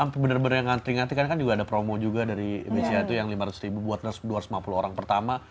sampai benar benar yang ngantri ngantri kan kan juga ada promo juga dari bca itu yang lima ratus ribu buat dua ratus lima puluh orang pertama